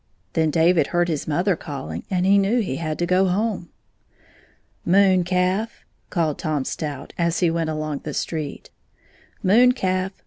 Then David heard his mother caUing, and he knew he had to go home. "Moon calf!" called Tom Stout, as he went along the street. " Moon calf!